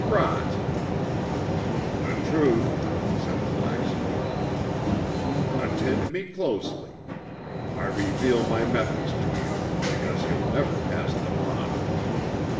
"Rot!" "The truth," said the Black Star. "Attend me closely. I reveal my methods to you, because you'll never pass them on.